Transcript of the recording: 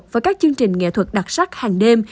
với các chương trình nghệ thuật đặc sắc hàng đêm